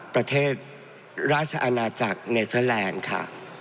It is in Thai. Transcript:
ประเทศราชอาณาจักรเนเทอร์แลนด์ค่ะ